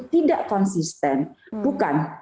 tidak konsisten bukan